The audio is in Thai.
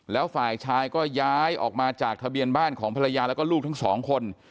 แล้วฝ่ายชายก็ย้ายออกมาจากทะเบียนบ้านของภรรยาแล้วก็ลูกทั้งสองคน